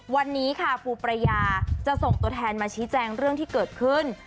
วันนี้ค่ะปูประยาจะส่งตัวแทนมาชี้แจงเรื่องที่เกิดขึ้น